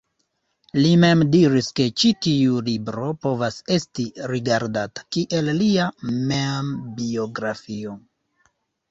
Li mem diris ke ĉi tiu libro povas esti rigardata kiel lia membiografio.